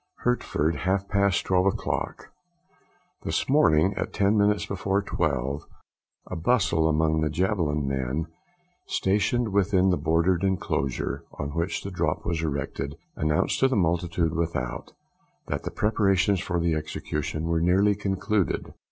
Hertford, half past twelve o'clock. This morning, at ten minutes before twelve, a bustle among the javelin men stationed within the boarded enclosure on which the drop was erected, announced to the multitude without that the preparations for the execution were nearly concluded.